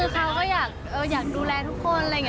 จริง